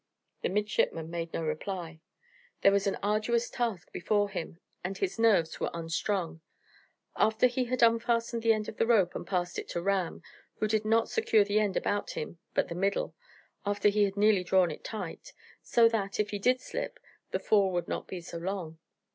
The midshipman made no reply. There was an arduous task before him, and his nerves were unstrung. After he had unfastened the end of the rope and passed it to Ram, who did not secure the end about him, but the middle, after he had nearly drawn it tight, so that, if he did slip, the fall would not be so long.